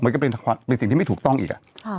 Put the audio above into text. ก็เป็นสิ่งที่ไม่ถูกต้องอีก